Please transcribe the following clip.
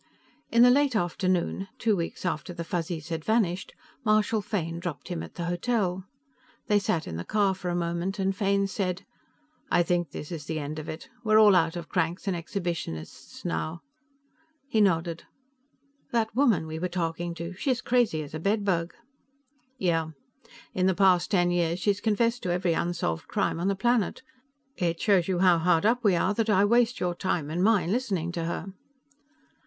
In the late afternoon, two weeks after the Fuzzies had vanished, Marshal Fane dropped him at the hotel. They sat in the car for a moment, and Fane said: "I think this is the end of it. We're all out of cranks and exhibitionists now." He nodded. "That woman we were talking to. She's crazy as a bedbug." "Yeah. In the past ten years she's confessed to every unsolved crime on the planet. It shows you how hard up we are that I waste your time and mine listening to her."